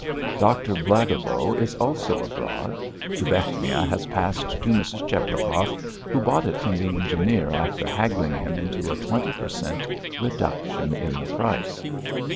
Doctor Blagovo is also abroad. Dubechnia has passed to Mrs. Cheprakov, who bought it from the engineer after haggling him into a twenty per cent reduction in the price.